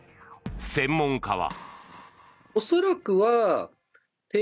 専門家は。